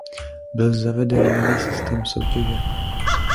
Byl zaveden nový systém soutěže.